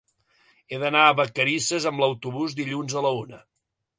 He d'anar a Vacarisses amb autobús dilluns a la una.